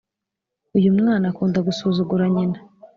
Uyumwana akunda gusuzugura nyina